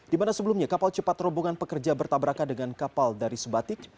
dimana sebelumnya kapal cepat terhubungan pekerja bertabrakan dengan kapal dari sebatik